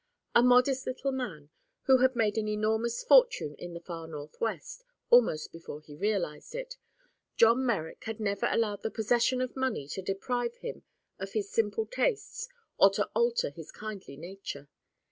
A modest little man, who had made an enormous fortune in the far Northwest—almost before he realized it—John Merrick had never allowed the possession of money to deprive him of his simple tastes or to alter his kindly nature.